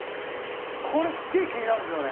これすげえ気になるんですよね。